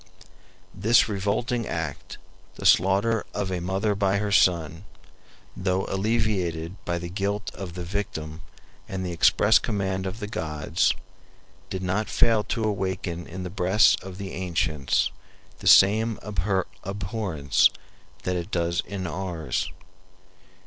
This revolting act, the slaughter of a mother by her son, though alleviated by the guilt of the victim and the express command of the gods, did not fail to awaken in the breasts of the ancients the same abhorrence that it does in ours.